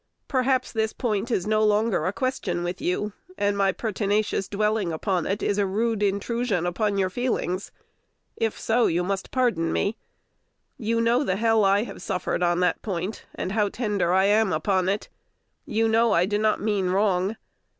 Perhaps this point is no longer a question with you, and my pertinacious dwelling upon it is a rude intrusion upon your feelings. If so, you must pardon me. You know the hell I have suffered on that point, and how tender I am upon it. You know I do not mean wrong.